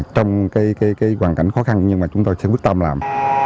trong hoàn cảnh khó khăn nhưng mà chúng tôi sẽ quyết tâm làm